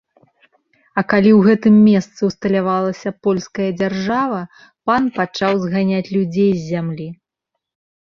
А калі ў гэтым месцы ўсталявалася польская дзяржава, пан пачаў зганяць людзей з зямлі.